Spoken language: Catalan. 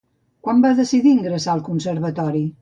Quan va decidir ingressar al Conservatori?